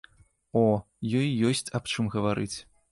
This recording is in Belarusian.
О, ёй ёсць аб чым гаварыць.